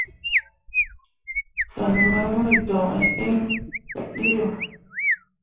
Fan mai mo joŋ iŋ faɓeʼ yo.